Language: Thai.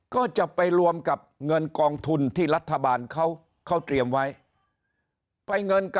ก็จะไปรวมกับเงินกองทุนที่รัฐบาลเขาเตรียมไว้